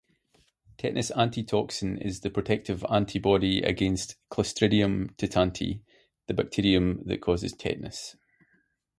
Tetanus antitoxin is the protective antibody against "Clostridium tetani", the bacterium that causes tetanus.